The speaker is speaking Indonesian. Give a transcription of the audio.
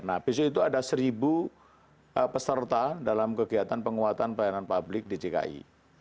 nah besok itu ada seribu peserta dalam kegiatan penguatan pelayanan publik di dki